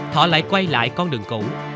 thọ lại quay lại con đường cũ